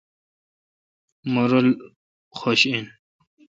مہ رل خش این۔